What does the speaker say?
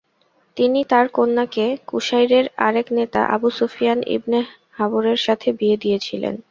তিনি তার কন্যাকে কুরাইশের আরেক নেতা আবু সুফিয়ান ইবন হারবের সাথে বিয়ে দিয়েছিলেন।